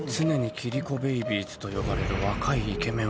キリコベイビーズ”と呼ばれる若いイケメンをはべらせて」